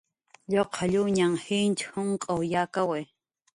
Lluqalluñanhn jich jumq'w yakawi